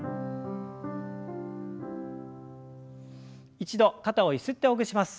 一度肩をゆすってほぐします。